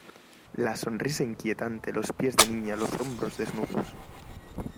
la sonrisa inquietante, los pies de niña , los hombros desnudos